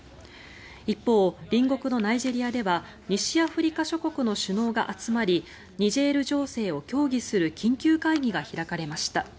一方、隣国のナイジェリアでは西アフリカ諸国の首脳が集まりニジェール情勢を協議する緊急会議が開かれました。